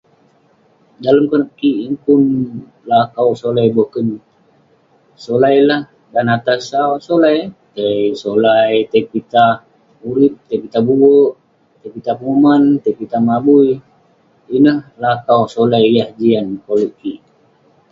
Dalem konep kik, yeng pun lakau solai boken, solai lah, dan atah sau..solai, keh..solai tai pitah urip, tai pitah buerk, tai pitah menguman, tai pitah mabui, ineh lakau solai yah jian koluk kik..